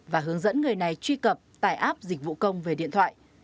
và hướng dẫn người này truy cập tài áp dịch vụ công về điện thoại